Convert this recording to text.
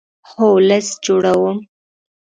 هو، لست جوړوم